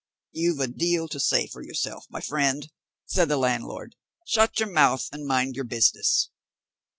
"You've a deal to say for yourself, my friend," said the landlord; "shut your mouth and mind your business."